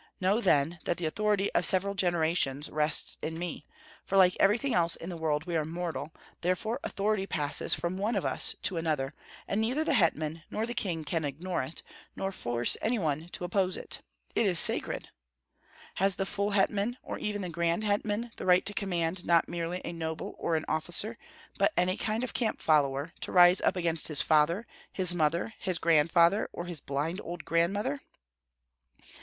Know then that the authority of several generations rests in me; for like everything else in the world we are mortal, therefore authority passes from one of us to another, and neither the hetman nor the king can ignore it, nor force any one to oppose it. It is sacred! Has the full hetman or even the grand hetman the right to command not merely a noble or an officer, but any kind of camp follower, to rise up against his father, his mother, his grandfather, or his blind old grandmother?